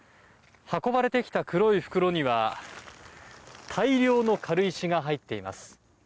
運ばれてきた黒い袋には大量の軽石が入っています。